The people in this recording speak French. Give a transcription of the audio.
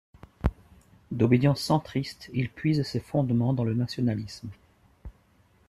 D'obédience centriste, il puise ses fondements dans le nationalisme.